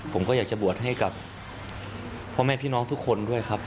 ผมก็อยากจะบวชให้กับพ่อแม่พี่น้องทุกคนด้วยครับ